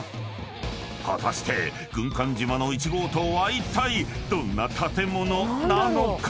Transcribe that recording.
［果たして軍艦島の１号棟はいったいどんな建物なのか？］